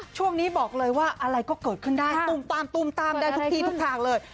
ช่วงนี้บอกเลยว่าอะไรก็เกิดขึ้นได้ตุ้มต้ามต้ามได้ทุกที่ทุกทางเลย